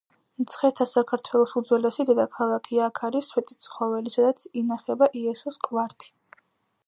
მცხეთა საქართველოს უძველესი დედაქალაქია. აქ არის სვეტიცხოველი, სადაც ინახება იესოს კვართი.